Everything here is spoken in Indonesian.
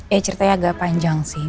ya ceritanya agak panjang sih